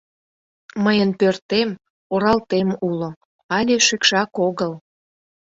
Мыйын пӧртем, оралтем уло, але шӱкшак огыл...